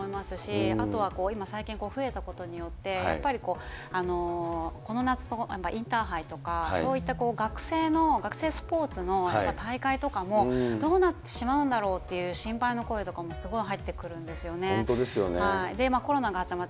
なのでそういった問題もあると思いますし、あとは今、最近増えたことによって、やっぱり、この夏、インターハイとか、そういった学生の、学生スポーツの大会とかも、どうなってしまうんだろうっていう心配の声とかもすごい入ってく本当ですよね。